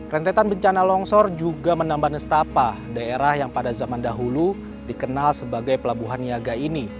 rentetan bencana longsor juga menambah nestapa daerah yang pada zaman dahulu dikenal sebagai pelabuhan niaga ini